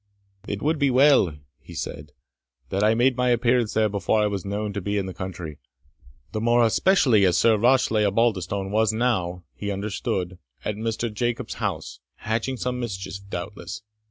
"It would be well," he said, "that I made my appearance there before I was known to be in the country, the more especially as Sir Rashleigh Osbaldistone was now, he understood, at Mr. Jobson's house, hatching some mischief, doubtless.